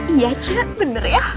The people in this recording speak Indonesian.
iya cek bener ya